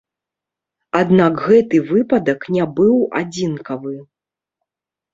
Аднак гэты выпадак не быў адзінкавы.